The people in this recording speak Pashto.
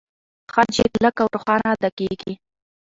خج يې کلک او روښانه ادا کېږي.